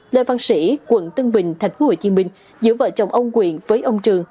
lê văn sĩ quận tân bình tp hcm giữa vợ chồng ông nguyễn với ông trường